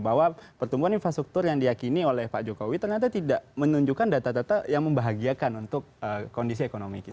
bahwa pertumbuhan infrastruktur yang diakini oleh pak jokowi ternyata tidak menunjukkan data data yang membahagiakan untuk kondisi ekonomi kita